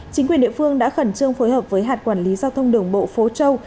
chính quyền địa phương đã khẩn trương phối hợp với hạt quản lý giao thông đường bộ phố châu